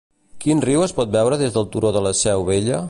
Quin riu es pot veure des del turó de La Seu Vella?